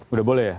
udah boleh ya